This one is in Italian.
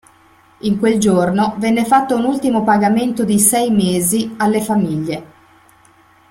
In quel giorno venne fatto un ultimo pagamento di sei mesi alle famiglie.